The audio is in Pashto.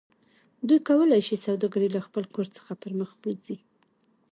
دوی کولی شي سوداګرۍ له خپل کور څخه پرمخ بوځي